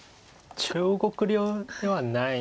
中国流ではない。